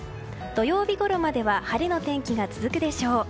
土曜日ごろまでは晴れの天気が続くでしょう。